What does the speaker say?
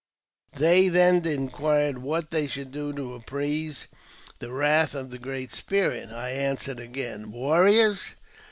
They then inquired what they should do to appease the wrath of the Great Spirit. I answered again :" Warriors